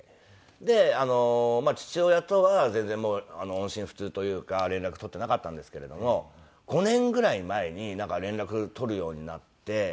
で父親とは全然もう音信不通というか連絡取ってなかったんですけれども５年ぐらい前になんか連絡取るようになって。